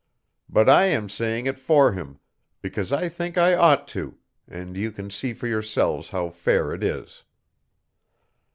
But I am saying it for him because I think I ought to, and you can see for yourselves how fair it is.